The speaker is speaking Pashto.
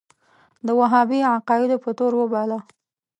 د وهابي عقایدو په تور وباله.